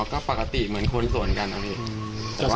ก็ปกติเหมือนคนสวนกันนะพี่